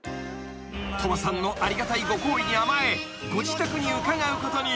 ［鳥羽さんのありがたいご厚意に甘えご自宅に伺うことに。